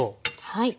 はい。